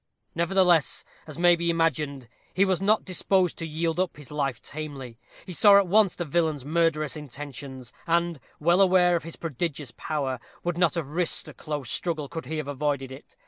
Nevertheless, as may be imagined, he was not disposed to yield up his life tamely. He saw at once the villain's murderous intentions, and, well aware of his prodigious power, would not have risked a close struggle could he have avoided it.